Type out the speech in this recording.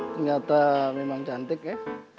ternyata memang cantik ya